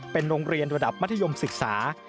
เป็นโรงเรียนระดับมัธยมศึกษา